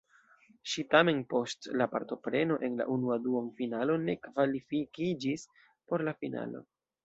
Ŝi tamen post la partopreno en la unua duonfinalo ne kvalifikiĝis por la finalo.